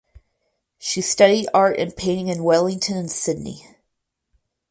She studied art and painting in Wellington and Sydney.